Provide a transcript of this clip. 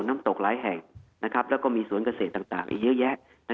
น้ำตกหลายแห่งแล้วก็มีสวนเกษตรต่างเยอะแยะ